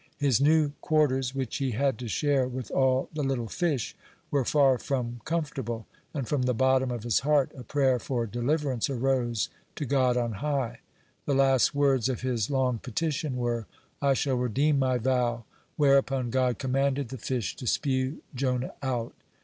His new quarters, which he had to share with all the little fish, were far from comfortable, and from the bottom of his heart a prayer for deliverance arose to God on high. (31) The last words of his long petition were, "I shall redeem my vow," (32) whereupon God commanded the fish to spew Jonah out.